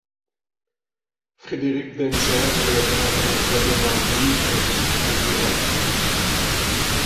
Frédéric d'Ennetières est le grand-père d'Adhémar d'Oultremont de Duras.